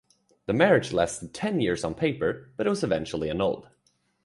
The marriage lasted ten years on paper, but it was eventually annulled.